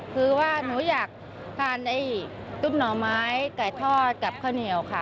คือว่าหนูอยากทานไอ้ตุ๊บหน่อไม้ไก่ทอดกับข้าวเหนียวค่ะ